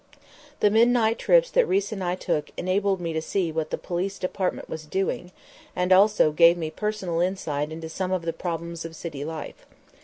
The midnight trips that Riis and I took enabled me to see what the Police Department was doing, and also gave me personal insight into some of the problems of city life.